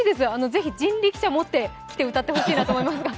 ぜひ、人力車を持ってきて歌ってほしいと思いますが。